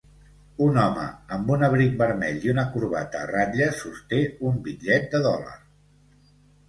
Un home amb un abric vermell i una corbata a ratlles sosté un bitllet de dòlar.